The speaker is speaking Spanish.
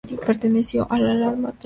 Perteneció al arma de artillería.